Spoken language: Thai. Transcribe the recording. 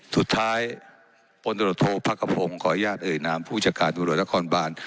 สุดท้ายปนโดรโทษพระกระโพงของขออนุญาตเอ่ยนามผู้ชาติบรวดรขอนบาน